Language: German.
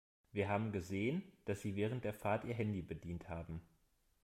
Wir haben gesehen, dass Sie während der Fahrt Ihr Handy bedient haben.